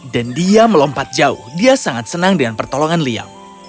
dan dia melompat jauh dia sangat senang dengan pertolongan liam